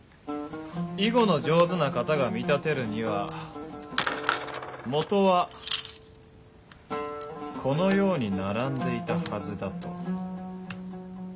囲碁の上手な方が見立てるにはもとはこのように並んでいたはずだと。